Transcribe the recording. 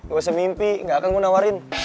gak usah mimpi gak akan gue nawarin